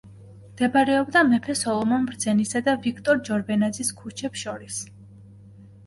მდებარეობდა მეფე სოლომონ ბრძენისა და ვიქტორ ჯორბენაძის ქუჩებს შორის.